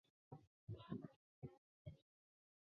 佐渡金山是一座位于日本新舄县佐渡市的金矿。